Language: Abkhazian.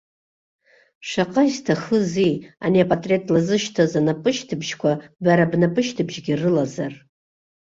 Шаҟа исҭахызи, ани апатреҭ лазышьҭыз анапышьҭыбжьқәа бара бнапышьҭыбжьгьы рылазар!